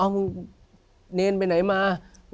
นเนนไปไหนมา